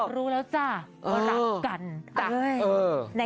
รู้แล้วจ้ะว่ารักกัน